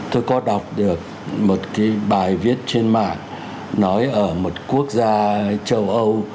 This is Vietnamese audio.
tôi có đọc được một cái bài viết trên mạng nói ở một quốc gia châu âu